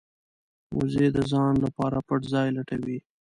وزې د ځان لپاره پټ ځای لټوي